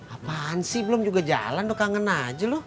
apaan sih belum juga jalan tuh kangen aja lo